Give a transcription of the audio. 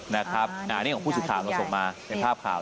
นี่ของผู้ศึกษาเราส่งมาภาพข่าว